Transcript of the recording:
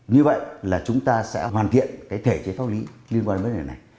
như vậy là chúng ta sẽ hoàn thiện thể chế pháp lý liên quan đến vấn đề này